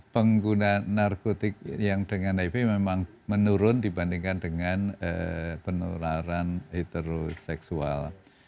pengguna narkotik yang dengan hiv memang menurun dibandingkan dengan penularan heteroseksual